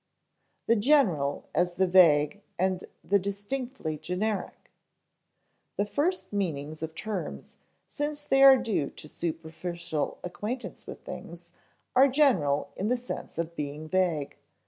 [Sidenote: The general as the vague and as the distinctly generic] The first meanings of terms, since they are due to superficial acquaintance with things, are general in the sense of being vague.